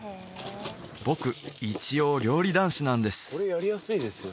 僕一応料理男子なんですこれやりやすいですよ